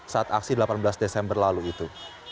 saat aksi delapan belas desember lalu itu